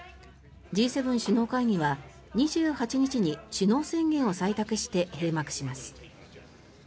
Ｇ７首脳会議は２８日に首脳宣言を採択して閉幕します。